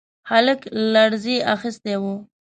هلک لړزې اخيستی و.